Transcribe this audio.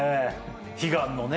悲願のね